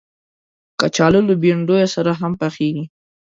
کچالو له بنډیو سره هم پخېږي